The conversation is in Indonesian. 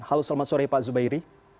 halo selamat sore pak zubairi